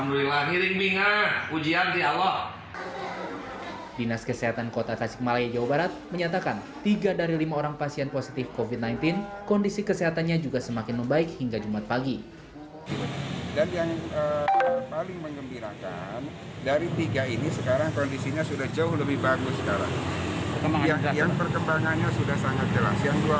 orang nomor satu di tasik malaya jawa barat budi buniman mengunggah ekspresi kebahagiaannya dalam akun instagram pribadinya